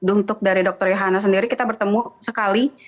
untuk dari dokter yohanes sendiri kita bertemu sekali